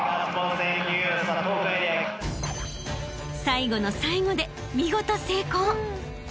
［最後の最後で見事成功！］